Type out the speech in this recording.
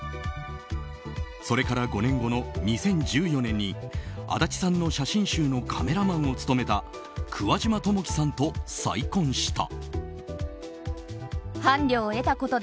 それから５年後の２０１４年に安達さんの写真集のカメラマンを務めた桑島智輝さんと再婚した。